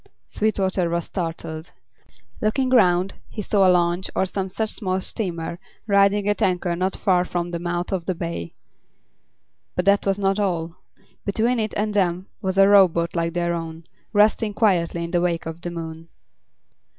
Sweetwater was startled. Looking round, he saw a launch, or some such small steamer, riding at anchor not far from the mouth of the bay. But that was not all. Between it and them was a rowboat like their own, resting quietly in the wake of the moon.